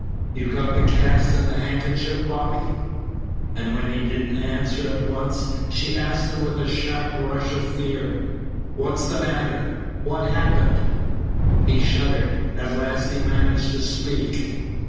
"You got the cast and the handkerchief, Bobby?" And when he didn't answer at once she asked with a sharp rush of fear: "What's the matter? What's happened?" He shuddered. At last he managed to speak.